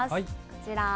こちら。